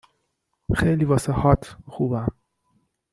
خیلی واسه " هات " خوبم